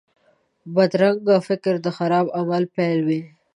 بدرنګه فکر د خراب عمل پیل وي